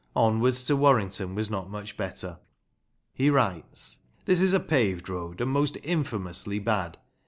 Onwards to Warrington was not much better. He writes : This is a paved road and most infamously bad.